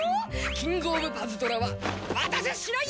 キング・オブ・パズドラは渡しゃしないよ！